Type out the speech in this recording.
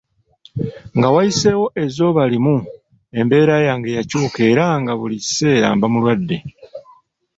Nga wayiseewo ezzooba limu, embeera yange yakyuka era nga buli kiseera mba mulwadde.